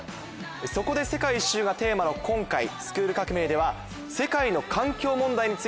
そこで世界一周がテーマの『スクール革命！』では。